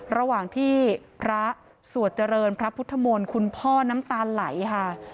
ระหว่างที่พระสวดเจริญพระพุทธมนต์คุณพ่อน้ำตาไหลค่ะ